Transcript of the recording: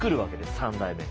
３代目が。